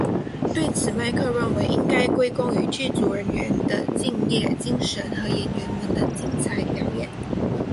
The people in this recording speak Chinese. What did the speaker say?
对此麦克认为应该归功于剧组人员的敬业精神和演员们的精彩表演。